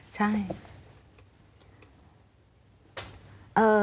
ใช่ใช่